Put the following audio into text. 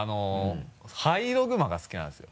ハイイログマが好きなんですよ。